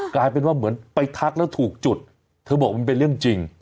กลายเป็นว่าเหมือนไปทักแล้วถูกจุดเธอบอกว่ามันเป็นเรื่องจริง